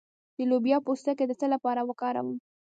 د لوبیا پوستکی د څه لپاره وکاروم؟